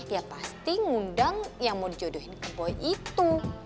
ya pasti ngundang yang mau dijodohin ke poin itu